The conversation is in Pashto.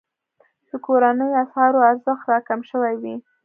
د کورنیو اسعارو ارزښت راکم شوی وي.